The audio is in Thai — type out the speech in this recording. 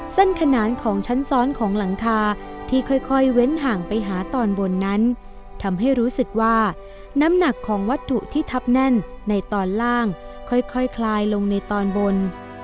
ขนานของชั้นซ้อนของหลังคาที่ค่อยเว้นห่างไปหาตอนบนนั้นทำให้รู้สึกว่าน้ำหนักของวัตถุที่ทับแน่นในตอนล่างค่อยคลายลงในตอนบน